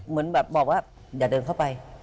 เหมือนแบบบอกว่าอย่าเดินเข้าไป